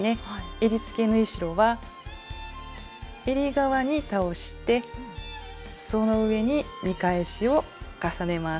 えりつけ縫い代はえり側に倒してその上に見返しを重ねます。